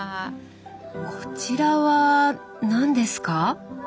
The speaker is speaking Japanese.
こちらは何ですか？